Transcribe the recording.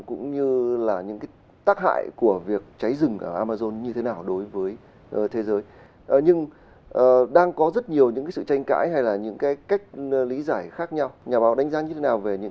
cũng như là những tầm quan trọng của tầm quan trọng của tầm quan trọng của tầm quan trọng của tầm quan trọng của tầm quan trọng của tầm quan trọng của tầm quan trọng